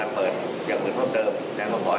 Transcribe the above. วันที่๑๗นี้ค่ะเวท๒จะเริ่มเดินได้ใช่ไหมคะ